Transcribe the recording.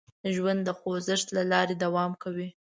ژوند د خوځښت له لارې دوام کوي.